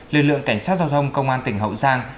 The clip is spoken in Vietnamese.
lực lượng cảnh sát giao thông công an tỉnh hậu giang